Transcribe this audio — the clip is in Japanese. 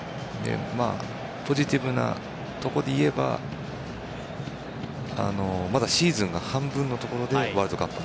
ポジティブなところでいえばまだシーズンが半分のところでワールドカップ。